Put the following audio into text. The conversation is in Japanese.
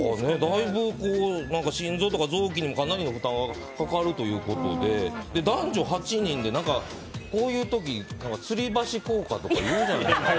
だいぶ心臓とか臓器に負担がかかるということで男女８人でこういう時つり橋効果とか言うじゃないですか。